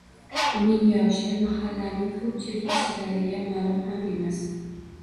Uning “yoshi” mahallaning ko’pchilik kishilariga ma’lum ham emas.